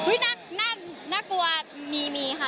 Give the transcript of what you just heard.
เอ้ยน่ากลัวมีมีค่ะ